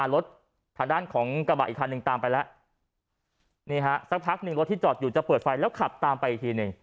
รถทางด้านของกระบะอีกคันหนึ่งตามไปแล้วนี่ฮะสักพักหนึ่งรถที่จอดอยู่จะเปิดไฟแล้วขับตามไปอีกทีหนึ่ง